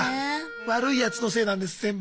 悪いやつのせいなんです全部。